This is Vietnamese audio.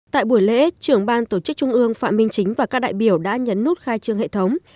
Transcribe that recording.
tại buổi lễ trưởng ban tổ chức trung ương phạm minh chính và các đại biểu đã nhấn nút khai trương hệ thống